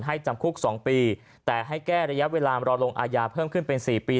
จำคุก๒ปีแต่ให้แก้ระยะเวลารอลงอาญาเพิ่มขึ้นเป็น๔ปี